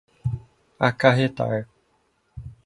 acarretar